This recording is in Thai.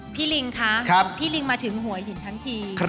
ลิงคะพี่ลิงมาถึงหัวหินทั้งที